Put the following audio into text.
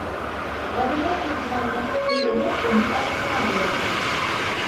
Ғәлимә түҙмәне, кейенеп, уның артынан эйәрҙе.